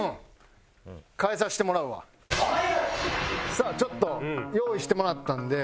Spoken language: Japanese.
さあちょっと用意してもらったんで。